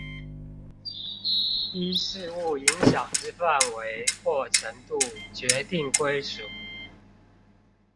依事務影響之範圍或程度決定歸屬